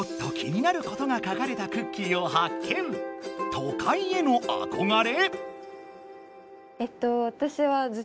「都会への憧れ」？